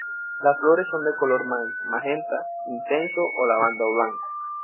Las flores son de color magenta intenso a lavanda o blanco.